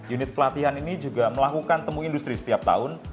unit pelatihan ini juga melakukan temu industri setiap tahun